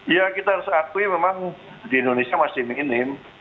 ya kita harus akui memang di indonesia masih minim